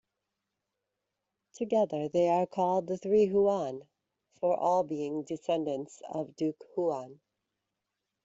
Together they are called the Three Huan for all being descendants of Duke Huan.